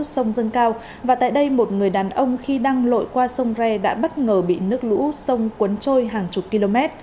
sông dâng cao và tại đây một người đàn ông khi đang lội qua sông re đã bất ngờ bị nước lũ sông cuốn trôi hàng chục km